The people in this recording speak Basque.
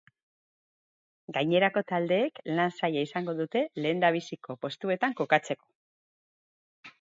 Gainerako taldeek lan zaila izango dute lehendabiziko postuetan kokatzeko.